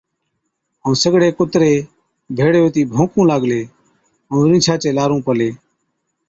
ائُون سِگڙي ڪُتري ڀيڙي هُتِي ڀوڪُون لاگلي ائُون رِينڇا چي لارُون پلي۔